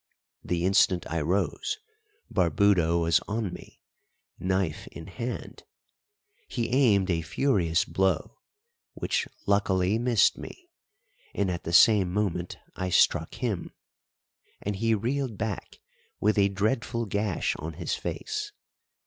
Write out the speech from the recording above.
The instant I rose Barbudo was on me, knife in hand. He aimed a furious blow, which luckily missed me, and at the same moment I struck him, and he reeled back with a dreadful gash on his face.